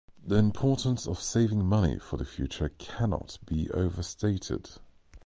The importance of saving money for the future cannot be overstated.